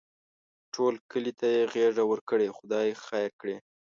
ټول کلي ته یې غېږه ورکړې؛ خدای خیر کړي.